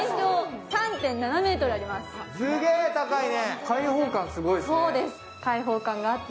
すげぇ、高いね。